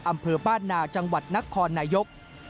อำเภอบ้านนาจังหวัดนครนายก